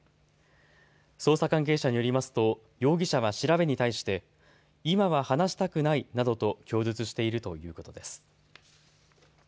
捜査関係者によりますと容疑者は調べに対して今は話したくないなどと供述しているということです。